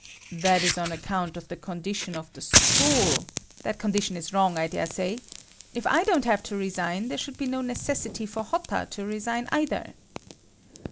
"That is on account of the condition of the school……" "That condition is wrong, I dare say. If I don't have to resign, there should be no necessity for Hotta to resign either."